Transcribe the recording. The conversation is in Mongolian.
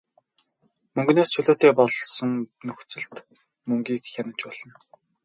Мөнгөнөөс чөлөөтэй болсон нөхцөлд мөнгийг хянаж болно.